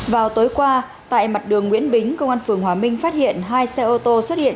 vào tối qua tại mặt đường nguyễn bính công an phường hòa minh phát hiện hai xe ô tô xuất hiện